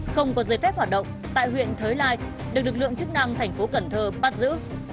không có giấy phép hoạt động tại huyện thới lai được lực lượng chức năng thành phố cần thơ bắt giữ